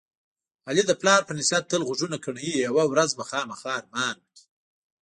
علي د پلار په نصیحت تل غوږونه کڼوي. یوه ورځ به خوامخا ارمان وکړي.